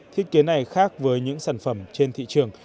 thiết kế này khác với những sản phẩm trên thị trường